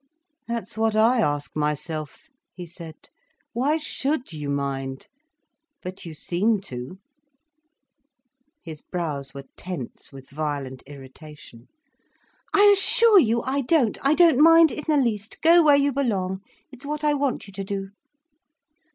"That's what I ask myself," he said; "why should you mind! But you seem to." His brows were tense with violent irritation. "I assure you I don't, I don't mind in the least. Go where you belong—it's what I want you to do."